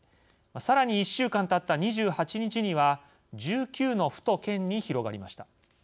さらに１週間たった２８日には１９の府と県に広がりました。